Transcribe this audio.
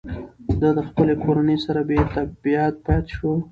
ده د خپلې کورنۍ سره بېتابعیت پاتې شو.